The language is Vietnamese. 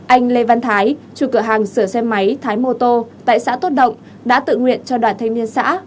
anh lê văn thái chủ cửa hàng sửa xe máy thái mô tô tại xã tốt động đã tự nguyện cho đoàn thanh niên xã